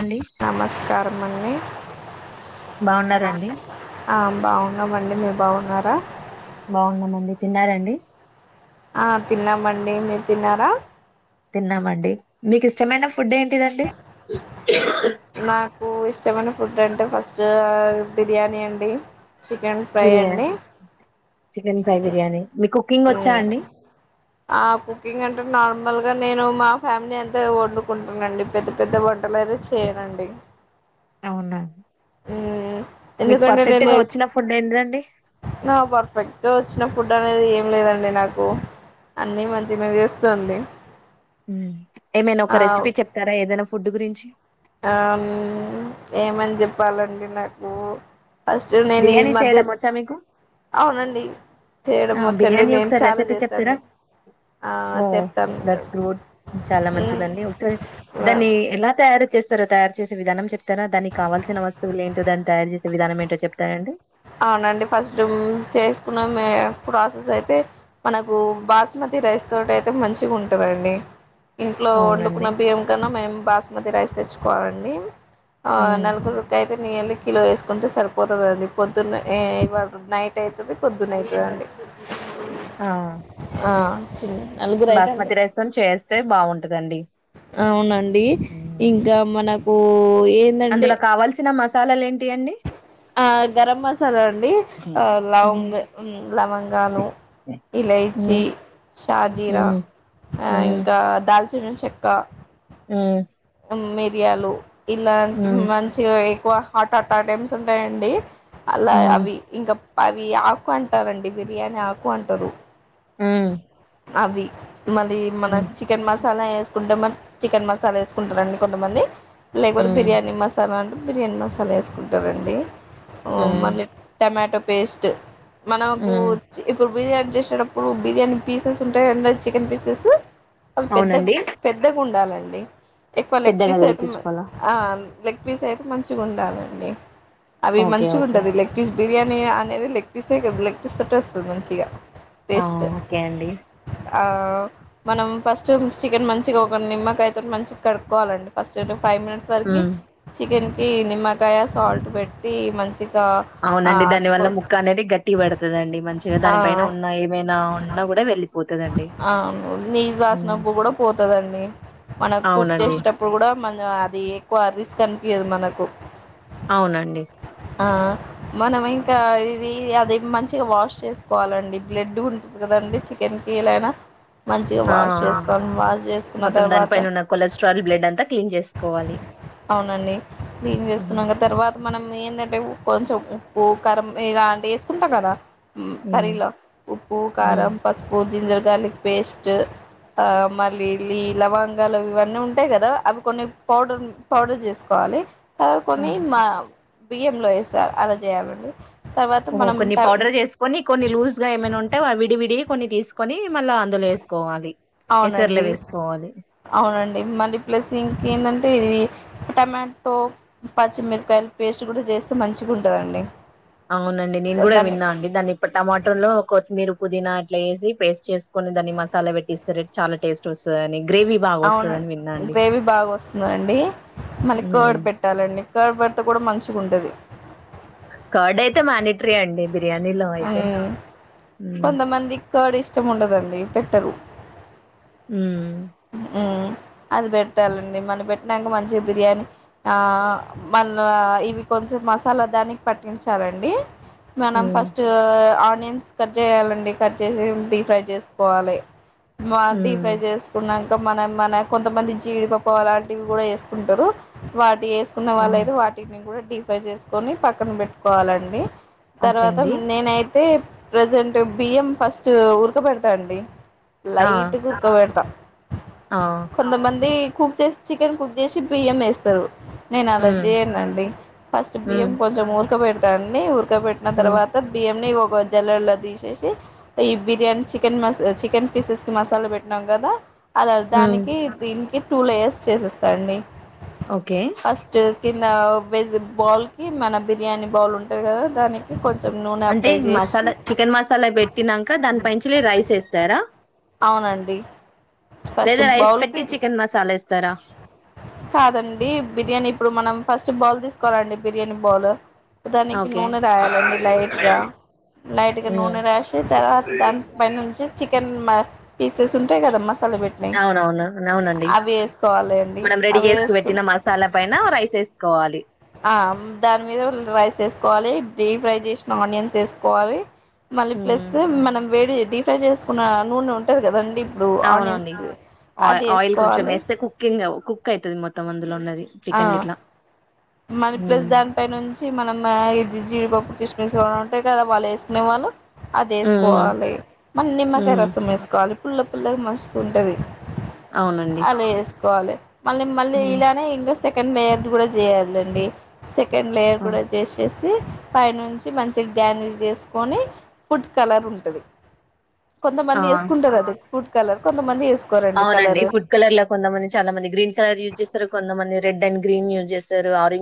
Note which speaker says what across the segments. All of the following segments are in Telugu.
Speaker 1: అండి
Speaker 2: నమస్కారం అండి
Speaker 1: బాగున్నారండి
Speaker 2: ఆ బాగున్నామండి మీరు బాగున్నారు బ
Speaker 1: బాగున్నామండి తిన్నారండి
Speaker 2: ఆ తిన్నామండి మీరు తిన్నారా
Speaker 1: తిన్నామండి మీకు ఇష్టమైన ఫుడ్ ఏంటిదండి
Speaker 2: నాకు ఇష్టమైన ఫుడ్ అంటే ఫస్ట్ బిర్యానీ అండి చికెన్ ఫ్రై
Speaker 1: బిర్యాని
Speaker 2: అండి
Speaker 1: చికెన్ ఫ్రై బిర్యానీ మీకు కుకింగ్ వచ్చా
Speaker 2: ఉమ్,
Speaker 1: అండి
Speaker 2: ఆ కుకింగ్ అంటె నార్మల్గా నేను మా ఫ్యామిలీ అంత వండుకుంటుంది పెద్ద పెద్ద వంటలు అయితే చేయనండి
Speaker 1: అవున
Speaker 2: ఉ ఎందుకంటే నేను
Speaker 1: వచ్చిన ఫుడ్ ఏంటిదండి
Speaker 2: నా పర్ఫెక్ట్ గా వచ్చిన ఫుడ్ అనేది ఏమ్ లేదండి నాకు అన్ని మన్
Speaker 1: ఏమైన ఒక
Speaker 2: ఆ
Speaker 1: రెసిపీ చెప్తారా ఏదైనా ఫుడ్ గురించి
Speaker 2: ఆ ఏమని చెప్పాలండి నాకూ ఫస్ట్ నేను ఈ
Speaker 1: బిర్యానీ
Speaker 2: మధ్య
Speaker 1: చేయడం వచ్చా మీకు
Speaker 2: అవునండి చేయడం
Speaker 1: ఆ
Speaker 2: వచ్చండి
Speaker 1: బిర్యానీ
Speaker 2: నేను
Speaker 1: ఒకసారి
Speaker 2: చాలా
Speaker 1: రెసిపీ చెప్తరా
Speaker 2: చేస్తాండి ఆ
Speaker 1: ఓ దట్స్
Speaker 2: చెప్తాను
Speaker 1: గుడ్ చాలా మంచిదండి ఒకసారి దాన్ని ఎలా త తయారు చేస్తర తయారు చేసే విధానం చెప్తారా దానికి కావాల్సిన వస్తువులు ఏంటో దాన్ని తయారు చేసే విధానం ఏంటో చెప్తారండి
Speaker 2: అవునండి ఫస్ట్ చేసుకున్న మే ప్రాసెస్ అయితే మనకు బాస్మతి రైస్ తోటైతే మంచిగ ఉంటదండి ఇంట్లో వండుకున్న
Speaker 1: అవునండి
Speaker 2: బియ్యం కన్నా మేమ్ బా మతి రైస్ తెచ్చుకోవాలండి ఆ
Speaker 1: ఉమ్
Speaker 2: నలుగురు కయ్ నీయల్లి కిలో ఏసుకుంటే సరిపోతది అండి పొద్దున్న ఎ ఎ ఇవాల నైట్ అయితది పొద్దున అయితదండి
Speaker 1: ఆ
Speaker 2: ఆ చిన్న నలుగురు అయితే అంతే
Speaker 1: బస్మతి రైస్ తో చేస్తే బాగుంటదండి
Speaker 2: అవునండి ఇంకా మట నకూ
Speaker 1: అందులో కావాల్సిన మస్ సాలలు ఏంటియండి
Speaker 2: ఆ గరం మసాలా అండి
Speaker 1: హ్మ్ హ్మ్
Speaker 2: లవంగ్ లవంగాలు, ఇలాచి,
Speaker 1: హ్మ్
Speaker 2: షాజీరా
Speaker 1: హ్మ్
Speaker 2: ఆ ఇంక దాల్చిన్ చెెక్కా
Speaker 1: మ్మ్
Speaker 2: మిరియాలు ఇలాంటివి మంచిగా వేసి ఎక్కువ హఠట టైమ్స్ ఉంటయండి అలా
Speaker 1: హ్మ్
Speaker 2: అవి ఇంక అవి ఆకు అంటరండి బిర్యానీ ఆకు అంటరు
Speaker 1: మ్మ్
Speaker 2: అవి మళ్ళీ మన చికెన్ మసాలా ఎసుకుంటే మంచి చికెన్ మసాలా ఏసుకుంటరండి కొంతమంది లేకపోతే
Speaker 1: హ్మ్
Speaker 2: బిర్యానీ మసాలా అంట్ బిర్యానీ మసాలా ఏసుకుంటరండి హు
Speaker 1: హ్మ్
Speaker 2: మళ్లీ టమాటో పేస్ట్ మనకు
Speaker 1: హ్మ్.
Speaker 2: చి ఇప్పుడు బిర్యానీ చేసేటపుడు ఇప్పుడు బిర్యానీ పీసెస్ ఉంటయండి చికెన్ పీసెస్ అవి పెద్దగా
Speaker 1: అవునండి
Speaker 2: పెద్దగ ఉండాలండి ఎక్కువా లెగ్
Speaker 1: పెద్దగా
Speaker 2: పీస్ ఎం
Speaker 1: చేయించుకోవాలా
Speaker 2: ఆ లెగ్ పీస్ అయితే మంచిగ ఉండాలండి అవి
Speaker 1: ఓకే
Speaker 2: మంచిగా
Speaker 1: ఓకే
Speaker 2: ఉంటది లెగ్ పీస్ బిర్యానీ అనేది లెగ్ పీసే గదా లెగ్ పీస్ తోటే వస్తది మంచిగా
Speaker 1: ఆ
Speaker 2: టేస్ట్
Speaker 1: ఓకే అండి
Speaker 2: ఆ మనం ఫస్ట్ చికెన్ మంచిగ ఒక నిమ్మకాయతో మంచిగ కడుక్కోవాలండి ఫస్ట్ ఫైవ్ మినిట్స్ వరకి
Speaker 1: హ్మ్
Speaker 2: చికెన్ ప ఈ నిమ్మకాయ సాల్ట్ పెట్టి మంచ్
Speaker 1: అవునండి. దాని వల్ల ముక్క అనేది గట్టిగ పడుతదండి. మంచిగా దానిపైన ఉన్న ఏమైనా ఉన్నా కూడా వెళ్ళిపోతదండి
Speaker 2: ఆ నీజు
Speaker 1: హ్మ్.
Speaker 2: వాసనప్పు కూడా పోతాదండి. మనకు కుక్
Speaker 1: అవునండి
Speaker 2: చేసేటప్పుడు కూడా మన అది క్కువ రిస్క్ అనిపియ్యదు మనకు
Speaker 1: అవునండి.
Speaker 2: ఆ మనం ఇంకా ఇది అది మంచిగా వాష్ చేసుకోవాలండి. జిడ్డు ఉం కదండి చికెన్ కి ఇలయినా మంచిగా
Speaker 1: ఆ
Speaker 2: వాష్
Speaker 1: ఆ
Speaker 2: చేసుకోవాలని వాష్ చేసుకున్న
Speaker 1: మొత్తం
Speaker 2: తర్వాత
Speaker 1: దానిపైన ఉన్న కొలెస్ట్రాల్ బ్లడ్ అంతా క్లీన్ చేసుకోవాలి
Speaker 2: అవునండి క్లీన్
Speaker 1: ఉహు.
Speaker 2: చేసుకున్నాక తర్వాత మనం ఏందంటే కొంచెం ఉప్పు కరం ఇలా అంటి వేసుకుంటాం కదా కర్రీ
Speaker 1: ఉమ్
Speaker 2: లో ఉప్ ఉప్పు
Speaker 1: ఉమ్
Speaker 2: కారం పసుపు జింజర్ గార్లిక్ పేస్ట్ ఆ మళ్ళీ లీ లవంగాలు ఇవన్నీ ఉంటాయి కదా. అవి కొన్ని పౌడర్ పౌడర్ చేసుకోవాలి. ఆవ్ కొన్ని
Speaker 1: ఆహా
Speaker 2: మావ్ బియ్యం లో వేస్తారు అలా చేయాలండి తర్వాత
Speaker 1: ఓహో
Speaker 2: మనం
Speaker 1: కొన్ని
Speaker 2: ట
Speaker 1: పౌడర్ చేసుకొని కొన్ని లూజ్ గా ఏమైనా ఉన్ ఆ విడివిడి కొన్ని తీసుకొని మళ్ళా అందులో వేసుకోవాలి ఎసర్లో
Speaker 2: అవునండి.
Speaker 1: వేసుకోవాలి
Speaker 2: అవునండి. మరి ప్లస్ ఇంకేందన్ అ ఇది టమాటో పచ్చిమిరకాయలు పేస్ట్ కూడా చేస్తే మంచిగా ఉంటదండి.
Speaker 1: అవునండి నేను కూడా విన్నా అండి దాన్ని ఇప్పుడు టమాట లో కొత్తిమీర్ పుదీనా అట్లా ఏసి పేస్ట్ చేసుకొని దాన్ని మసాలా పెట్టిస్తారు చాలా టేస్ట్ వస్తుది అని
Speaker 2: అవున గ్రేవీ బాగా వస్తుందాండి మళ్ళీ
Speaker 1: ఉమ్.
Speaker 2: కర్డ్ పెట్టాలండి. కర్డ్ పెడితే కూడా మంచిగ ఉంటది.
Speaker 1: కర్డ్ అయితే మానిటరీ అండి బిర్యానీలో అయితే
Speaker 2: ఉమ్
Speaker 1: ఉమ్
Speaker 2: కొంతమందికి కర్డ్ ఇష్టం ఉండదండి పెట్టరు.
Speaker 1: ఉమ్
Speaker 2: ఉమ్ అది పెట్టాలండి మనం పెట్టినంక మంచిగా బిర్యానీ ఆ మళ్ల ఇవి కొంచెం మసాలా దానికి పట్టించాలండి. మేనం
Speaker 1: ఉమ్
Speaker 2: ఫస్ట్ ఆ ఆనియన్స్ కట్ చేయాలండి. కట్ చేసి డీప్ ఫ్రై చేసుకోవాలి. మాతి ఫ్రై
Speaker 1: ఉమ్
Speaker 2: చేసుకున్నా మనం మన కొంతమంది జీడిపప్పు అలాంటివి కూడా వేసుకుంటరు ఒకటేస్ తీసుకున్న
Speaker 1: ఆ,
Speaker 2: వాళ్ళయితే వాటిని కూడా డీఫ్రై చేసుకొని పక్కన పెట్టుకోవాలండి.
Speaker 1: ఓకే అండి
Speaker 2: నేనై త్ అయితే ప్రజెంట్ బియ్యం ఫస్ట్ ఉరక పెడతా అండి.
Speaker 1: ఆ!
Speaker 2: లైట్ గా ఉక్కవేట్త
Speaker 1: ఆ!
Speaker 2: కొంతమంది కుక్ చేసి చికెన్ కుక్ చేసి బియ్యం వేస్తారు నేను అలా
Speaker 1: హ్మ్.
Speaker 2: చేయనండి ఫస్ట్ బియ్యం
Speaker 1: హ్మ్.
Speaker 2: కొంచెం ఊరకబెడ్ దాన్ని ఉర్ క పెట్టిన
Speaker 1: హ్మ్.
Speaker 2: తర్వాత్ బియ్యంని జల్లర్లో తీసేసి ఈ బిర్యానీ చికెన్ చికెన్ పీసెస్ కి మసాలా పెట్టినాం కదా అలార్
Speaker 1: హ్మ్.
Speaker 2: దానికి దీనికి టూ యర్స్ చేసేస్తాండి
Speaker 1: ఓకే
Speaker 2: కింద వెజ్ బౌల్ కి మన బిర్యానీ బౌల్ ఉంటంది కదా దానికి కొం
Speaker 1: అంటే మసాలా చికెన్ మసాలా పెట్టినంక దానిపైంచి రైస్ వేస్తారా
Speaker 2: అవునండి ఫస్ట్
Speaker 1: రైస్ పెట్టి
Speaker 2: బౌల్కి
Speaker 1: చికెన్ మసాలా ఏస్తారా?
Speaker 2: కాదండి బిర్యానీ ఇప్పుడు మనం ఫస్ట్ బౌల్ తీస్ కోాలండి బిర్యానీ బౌాల్ దానికి
Speaker 1: ఓకే.
Speaker 2: నూనె రాయాలండి లైట్గా లైట్గా
Speaker 1: హ్మ్.
Speaker 2: నూనె రాసి తర్వాత దానిపై నుంచి చికెన్ మ పీసెస్ ఉంటాయి కద మస్
Speaker 1: అవునవునువు అవునండి
Speaker 2: వేసుకోవాలి అండి
Speaker 1: మనం రెడీ
Speaker 2: అవి
Speaker 1: చేసి
Speaker 2: వేసుకు
Speaker 1: పెట్టిన మసాలా పైన రైస్ వేసుకోవాలి
Speaker 2: ఆ దాని మీద రైస్ వేసుకోవాలి డీ ఫ్రై చేసిన ఆనియన్స్ వేసుకోవాలి మళ్ళీ
Speaker 1: హ్మ్.
Speaker 2: ప్లస్
Speaker 1: హ్మ్.
Speaker 2: మనం వేడి డీ ఫ్రై చేసుకున్న నూనె ఉంటది కదండి ఇప్పుడు
Speaker 1: అవునండి
Speaker 2: ఆనియన్స్
Speaker 1: అ
Speaker 2: అది
Speaker 1: ఆయిల్ కొంచెం
Speaker 2: వేసుకోవాలి
Speaker 1: వేస్తే కుకింగ్ కుక్ కైతది మొత్తం అన్
Speaker 2: ఆ మనీ ప్లస్
Speaker 1: హ్మ్.
Speaker 2: దానిపై నుంచి మనం ఆ ఇది జీడి పప్పు కృష్మిస్ అంటే కదా వాళ్ళు ఏసుకునేవాళ్ళు అది
Speaker 1: హ్మ్. హ్మ్.
Speaker 2: వేసుకోవాలి మ నిమ్మకాయ
Speaker 1: హ్మ్.
Speaker 2: రసం ఏసుకోవాలి పుల్ల పుల్లగా మస్తు ఉంటది
Speaker 1: అవునండి
Speaker 2: కోవాలే మళ్ళీ మళ్ళీ
Speaker 1: హ్మ్.
Speaker 2: ఇలానే ఇంద్ సెకండ్ లేయర్ కూడా చేయాలండి సె సెకండ్ లేయర్ కూడా
Speaker 1: అవును.
Speaker 2: చేసేస్ పై నుంచి మంచి గార్నిష్ చేసుకని ఫుడ్ కలర్ ఉంటుంది. కొంతమంది
Speaker 1: ఆ!
Speaker 2: వేసుకుంటారు అది ఫూడ్ కలర్ కొంతమంది వేసుకోరండి
Speaker 1: అవునండి
Speaker 2: కలర్
Speaker 1: ఫుడ్ కలర్ కొంతమంది చాలా మంది గ్రీన్ కలర్ యూజ్ చేస్తారు కొంతమంది. రెడ్ అండ్ గ్రీన్ యూస్ చేస్తారు ఆర్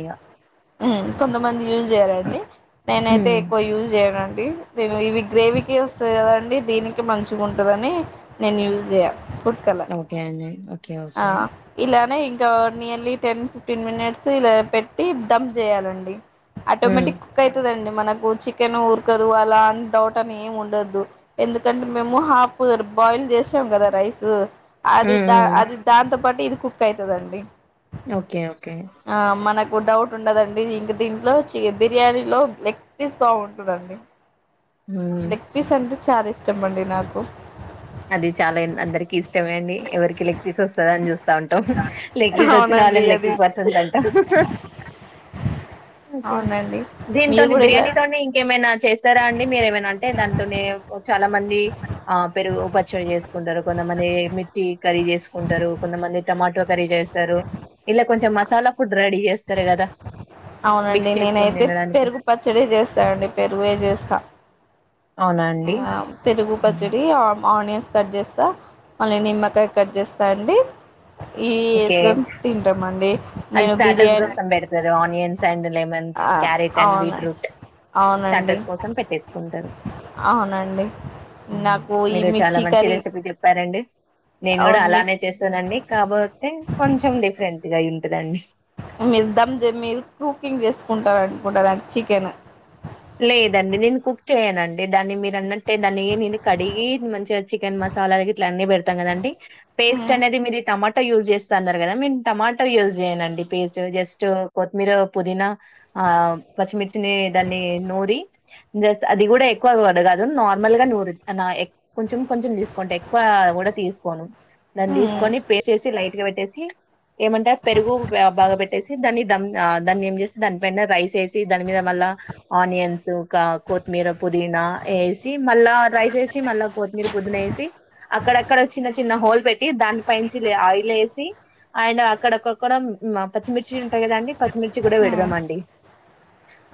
Speaker 1: ఇగ
Speaker 2: కొంతమంది యూజ్ చేయాలండి నేనైతే
Speaker 1: హ్మ్
Speaker 2: ఎక్కువ యూజ్ చేయను. నేను ఇవి గ్రేవీకి వస్తది కదాండి దీనికి మంచిగా ఉంటందని నేను యూజ్ చేయ ఫుడ్ కలర్
Speaker 1: ఓకే అన్న
Speaker 2: ఆ ఇలా ఇంకా నియర్లీ టెన్ ఫిఫ్టీన్ మినిట్స్ ఇలా పెట్టి దంప్ చేయాలండి
Speaker 1: హ్మ్
Speaker 2: ఆటోమేటిక్ కుక్ అవుతుందండి. మనకు చికెన్ ఉడుకదు అలా అ డౌట్ అని ఏమి ఉండద్దు ఎందుకంటే మేము హాఫ్ బాయిల్ చేసాం కదా రైస్
Speaker 1: హ్మ్
Speaker 2: అదిద్దా
Speaker 1: హ్మ్
Speaker 2: అది అంత పాటు ఇది కుక్ అయితుందండి
Speaker 1: ఓకే ఓకే
Speaker 2: డౌట్ ఉండదండి ఇంక దీంట్లో చె బిర్యానీ లో లెగ్ పీస్ బాగుంటందండి.
Speaker 1: హ్మ్
Speaker 2: లెగ్పీస్ అంట చాలా ఇష్టమండి నాకు
Speaker 1: అది చాలా ని చూస్తా ఉంటాం లక్కీస్ వచ్చిన
Speaker 2: అవునండి
Speaker 1: వాళ్ళం లక్కీ
Speaker 2: అది
Speaker 1: పర్సన్స్ అంటా. ఓకే
Speaker 2: అవునండి మీరు
Speaker 1: దీనితోని
Speaker 2: కూడా ఇలా
Speaker 1: బిర్యానీతోని ఇంకేమైనా చేస్తారా అండి మీరేమైనా అంటే దాంతోనే చాలా మంది ఆ పెరుగు పచ్చడి చేసుకుంటారు కొంతమంది మిర్చి కర్రీ చేసుకుంటారు కొంతమంది టమాటో కర్రీ చేస్తారు ఇలా కొంచెం మసాలా ఫుడ్ రెడీ చేస్తారు కదా.
Speaker 2: అవునండి
Speaker 1: మిక్స్ చేసుకొని
Speaker 2: నేనైతే
Speaker 1: తినడానికి.
Speaker 2: పెరుగు పచ్చడి చేస్తానండి పెరుగు చేస్తా.
Speaker 1: అవునా అండి
Speaker 2: ఆ తిరుగు కజడి ఓనియన్స్ కట్ చేస్తా మళ్ళీ నిమ్మకాయ కట్ చేస్తా అండి ఇవి
Speaker 1: ఓకే
Speaker 2: వేసుకొని తింటామ అండి నేను బిర్యానీ
Speaker 1: ల
Speaker 2: ఆ
Speaker 1: కారట్ అండ్
Speaker 2: అవును
Speaker 1: బీట్రూట్
Speaker 2: అవునండి
Speaker 1: స్టస్ కోసం పెట్టేకుంట
Speaker 2: అవునండి నాకు
Speaker 1: మీ
Speaker 2: ఈ
Speaker 1: చాలా
Speaker 2: మిర్చి
Speaker 1: మ
Speaker 2: కర్రీ
Speaker 1: రెపీ చె. సరండి నేను కూడా
Speaker 2: అవును మిర్
Speaker 1: అలానే చేశానండి కాబో. కొంచెం డిఫరెంట్ గా ఉంటుదండి.
Speaker 2: మీరు దమ్ ద మీరు కుకింగ్ చేసుకుంటార అనుకుంటారు చికెన్.
Speaker 1: లేదండి నేను కుక్ చేయనండి దాన్ని మీరు అన్నట్టే దాన్ని నేను కడిగి మంచిగా చికెన్ మసాలా ఇట్లా అన్నీ పెడతాం కదండి. పేస్ట్
Speaker 2: మ్మ్
Speaker 1: అనేది మరి టమాట యూజ చేస్తా అన్నారు కదా నేను టమాటా యూజ్ చేయనండి పేస్ట్ జస్ట్ కొత్తిమీర పుదీనా ఆ పచ్చిమిర్చిని దాన్ని నూరి అది కూడా ఎక్కువ కాదు నార్మల్ గా నూరి కొంచెం కొంచెం తీసుకోంటే ఎక్కువ కూడా తీసుకోను దాన్ని
Speaker 2: మ్మ్
Speaker 1: తీసుకొని పేస్ట్ చేసి లైట్ గా పెట్టేసి ఏమంటే పెరుగు బాగా పెట్టేసి దాన్ని ద దాన్ని ఏం చేసి దానిపైైన రైస్ వేసి దాని మీద మళ్ళ ఆనియన్స్ కా కొత్తిమీర పుదీనా వేసి మళ్ళా రైస్ వేసి మళ్ళా కొత్తిమీర పుదీనా వేసి అక్కడక్కడ చిన్న చిన్న హోల్ పెట్టి దానిపైంచి ఆయిల్ వేసి అండ్ అక్కడక్కక్క పచ్చిమిర్చి ఉంటాయి కదండి పచ్చిమిర్చి కూడా
Speaker 2: మ్మ్
Speaker 1: పెడదామ అండి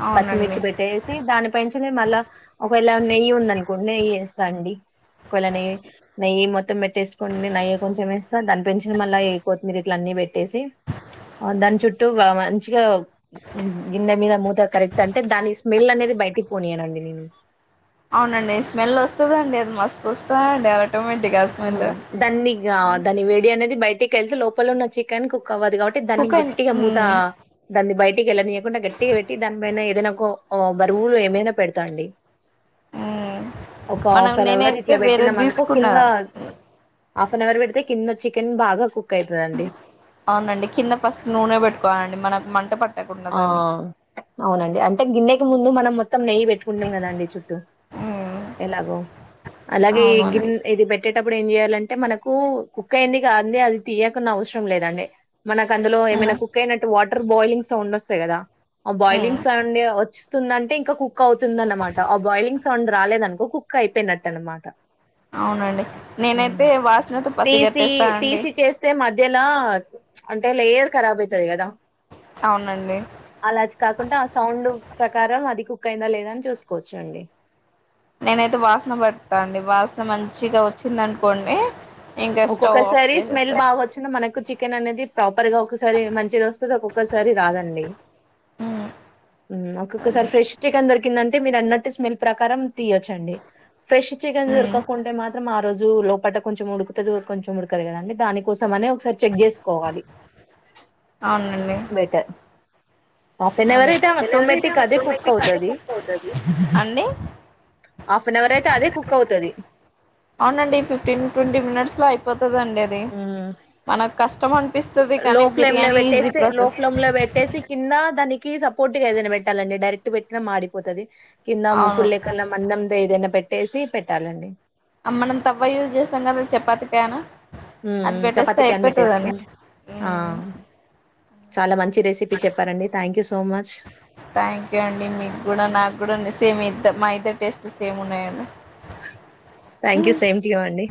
Speaker 2: అవునండి
Speaker 1: పచ్చిమిర్చి పెట్టేస్ దాని పెంచి మళ్ళా ఒకవేళ నెయ్యి ఉందినుకోండి నెయ్యి వేస్తా అండి ఒకవేళ నెయ్యి నెయ్యి మొత్తం పెట్టేసుకోని నెయ్యి కొంచెం వేస్తా దాని పెంచ మళ్ళ కొత్తిమీర ఇట్ల అన్ని పెట్టేసి దాని చుట్టూ మంచిగా గిన్నె మీద మూత కరెక్ట్ గా అంటే దాని స్మెల్ అనేది బయటికి పోనియానండి నేను
Speaker 2: అవునండి స్మెల్ వస్తుందండి అది మస్తు వస్తుందడి ఆటోమాటిక్ా స్మెల్
Speaker 1: ఉమ్. దాన్ని
Speaker 2: హ్మ్.
Speaker 1: దాని వేడి అనేది బయటికి వెళ్తే లోపల ఉన్న చికెన్ కుక్ అవ్వదు కాబట్టి దాన్ని
Speaker 2: కుక్ అయిన
Speaker 1: గట్టిగా మూత
Speaker 2: మ్మ్
Speaker 1: దాన్ని బయట గట్టికిెళ్ళనీయకుండా గట్టిగా పెట్టి దానిపైన ఏదైనా ఒక బరువులు ఏమైనా పెడతాండి
Speaker 2: మ్మ్
Speaker 1: ఒక
Speaker 2: మనం
Speaker 1: హాఫ్ అన్ అవర్
Speaker 2: నేనైతే
Speaker 1: ఇట్లా
Speaker 2: వేరేది
Speaker 1: పెట్టినామ అనుకో కింద
Speaker 2: తీసుకున్నాను
Speaker 1: హాఫ్ అన్ అవర్ పెడితే కింద చికెన్ బాగా కుక్ అవుతుందండి
Speaker 2: అవునండి కింద ఫస్ట్ నూనె పెట్టుకోవాలండి మనకు మంట పట్
Speaker 1: ఆ అవునండి అంటే గిన్నెకి ముందు మనం మో త్తంెయిట్టుకుాం కదండి చూ టూ
Speaker 2: మ్మ్
Speaker 1: ఎలాగో అలాగే ఈ గిన్న
Speaker 2: అవునండి
Speaker 1: ఇది పెట్టే అప్పుడు ఏం చెయాలంటే మనకు కుక్ అయింది కాదంది అది తీయకుండా అవసరం లేదండి మనకు అందులో ఏమైనా
Speaker 2: మ్మ్
Speaker 1: కుక్ అయినట్టు వాటర్ బాయిలింగ్ సౌండ్ వస్తాయి కదా ఆ బాయిలింగ్
Speaker 2: మ్మ్
Speaker 1: సౌండ్ వచ్చిస్తుందంటే ఇంకా కుక్ అవుతుంది అనమాట ఆ బాయిలింగ్ సౌండ్ రాలేదనుకో కుక్ అయిపోయినట్టు అనమాట
Speaker 2: అవునండి నేనైతే వాసనతో
Speaker 1: తీసి
Speaker 2: పసిగట్టేస్తానండి
Speaker 1: తీసి చేస్తే మధ్యలా అంటే లేయర్ ఖరాబ్ అవుతది కదా
Speaker 2: అవునండి
Speaker 1: అలాది కాకుండా ఆ సౌండ్ ప్రకారం అది బుక్ అయిందా లేదా అని చూసుకోవచ్చు అండి
Speaker 2: నేనైతే వాసన పడతా అండి. వాసన మంచిగా వచ్చింది అనుకోండి
Speaker 1: ఒక్కొక్కసారి స్మెల్ బాగా వచ్చినా, మనకు చికెన్ అనేది రిగా ఒక్కసారి మంచిది వస్తుంది ఒక్కొక్కసారి రాదండి
Speaker 2: ఉమ్ అదే
Speaker 1: ఒక్కొక్కసారి ఫ్రెష్ చికెన్ దొరి కిందంటే మీరు అన్నట్ స్మెల్ ప్రకారం తీయచ్చండి ఫ్రెష్ చికెన్
Speaker 2: ఉమ్
Speaker 1: దొరకకుంటే మాత్రం ఆ రోజు లోపట కొంచెం ఉడుకుతుంది కొంచెం ఉడకదు కదండి దానికోసం అనే ఒకసారి చెక్ చేసుకోవాలి
Speaker 2: అవునండి
Speaker 1: బెటర్ హాఫ్ అన్
Speaker 2: అదే
Speaker 1: అవర్ ఆటోమేటిక్ అదే కుక్ అవుతది
Speaker 2: అండి
Speaker 1: హాఫ్ అన్ అవర్ అయితే అదే కుక్ అవుతది
Speaker 2: అవునండి ఫిఫ్టీన్ ట్వంటీ మినిట్స్ లో వస్తదండి అది
Speaker 1: మ్మ్
Speaker 2: మనక్కష్టం అంట్
Speaker 1: లో ఫ్లేమ్ లో పెట్టేస్తే లో ఫ్లేమ్ లో పెట్టేసి కింద దాని కి సపోర్ట్గా ఏదైనా పెట్టాలండి డైరెక్ట్ పెట్టినా మాడిపోతది. కింద మోకిడి
Speaker 2: అవును
Speaker 1: లేకుండా మందంతో ఏదైనా పెట్ట పెట్టేసి పెట్టాలండి
Speaker 2: ఆ మనం తవ్వయూజ్ చేస్తాం కదా చపాతి ప్యాను.
Speaker 1: మ్ మ్ చపాతి కన్ని పెట్టేసుకోండి. ఆ చాలా మంచి రెసిపీ చెప్పారండి thank you so much
Speaker 2: thank you అండి. మీక్కూడా నాక్కూడా సేమ్ ఇద్ద మా ఇద్దరి టేస్ట్ సేమ్ ఉన్నాయ
Speaker 1: thank you same two you అండి.